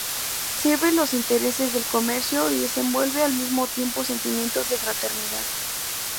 Sirve los intereses del comercio y desenvuelve al mismo tiempo sentimientos de fraternidad.